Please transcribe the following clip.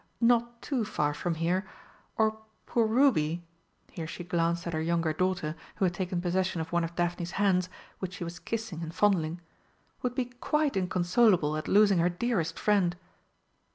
Not too far from here, or poor Ruby" here she glanced at her younger daughter, who had taken possession of one of Daphne's hands, which she was kissing and fondling "would be quite inconsolable at losing her dearest friend!"